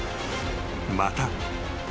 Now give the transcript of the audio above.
［また］